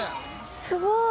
すごーい！